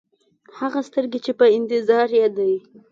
هغه سترګې چې په انتظار یې دی.